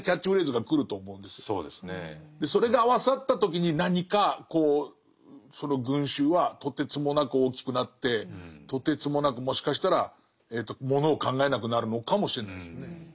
それが合わさった時に何かこうその群衆はとてつもなく大きくなってとてつもなくもしかしたらものを考えなくなるのかもしれないですね。